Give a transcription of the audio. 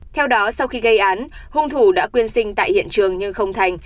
theo đó sau khi gây án hung thủ đã quyên sinh tại hiện trường nhưng không thành